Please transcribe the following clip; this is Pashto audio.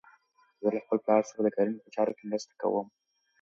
زه له خپل پلار سره د کرنې په چارو کې مرسته کوم.